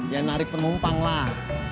ya narik pengumpang lah